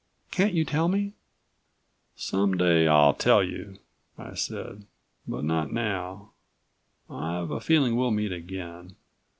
"Can't you tell me?" "Someday I'll tell you," I said. "But not now. I've a feeling we'll meet again.